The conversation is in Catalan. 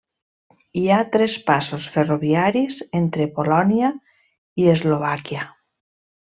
Hi ha tres passos ferroviaris entre Polònia i Eslovàquia.